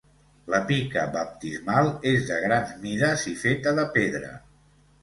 La pica baptismal és de grans mides i feta de pedra.